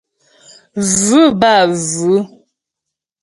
Vʉ̂ bə́ â vʉ̌.